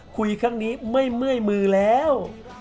คุยครั้งนี้ไม่เมื่อยมือแล้ว